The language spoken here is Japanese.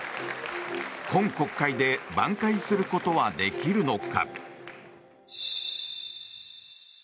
今国会でばん回することはできるのか。